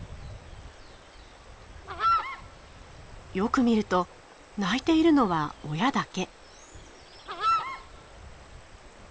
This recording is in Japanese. よく見ると鳴いているのは親だけ。